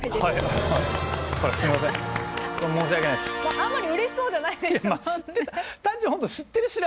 あんまりうれしそうじゃない。